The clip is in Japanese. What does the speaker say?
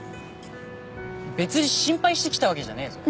別に心配して来たわけじゃねえぞ。